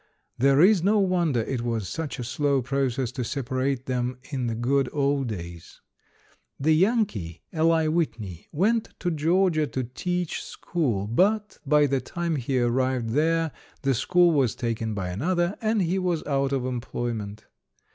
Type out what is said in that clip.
There is no wonder it was such a slow process to separate them in the good old days. The Yankee, Eli Whitney, went to Georgia to teach school, but by the time he arrived there the school was taken by another, and he was out of employment.